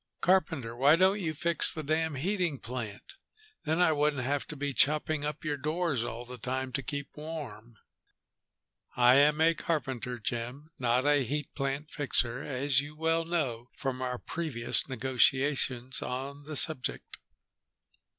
"Carpenter, why don't you fix the damn heating plant? Then I wouldn't have to be chopping up your doors all the time to keep warm." "I am a carpenter, Jim, not a heat plant fixer, as you well know from our previous negotiations on the subject."